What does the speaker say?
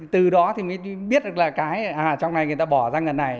từ đó thì mới biết được là cái à trong này người ta bỏ ra ngân này